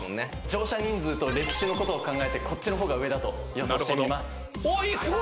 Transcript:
乗車人数と歴史のことを考えてこっちの方が上だと予想してみます。